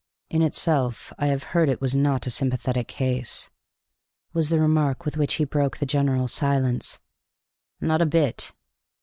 "In itself, I have heard, it was not a sympathetic case?" was the remark with which he broke the general silence. "Not a bit."